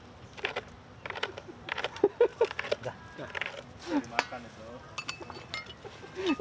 sudah dimakan ya so